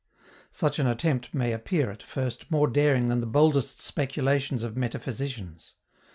Such an attempt may appear, at first, more daring than the boldest speculations of metaphysicians.